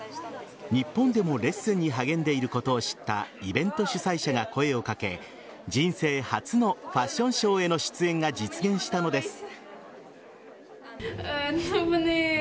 日本でもレッスンに励んでいることを知ったイベント主催者が声を掛け人生初のファッションショーへの出演が実現したのです。